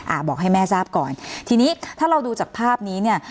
บอกให้แม่ทราบก่อนทีนี้ถ้าเราดูจากภาพนี้เนี่ย